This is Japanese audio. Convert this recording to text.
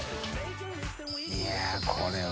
い笋これは。